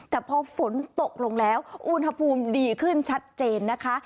แต่พอฝนตกลงแล้วอุณหภูมิดีขึ้นชัดเจนนะคะ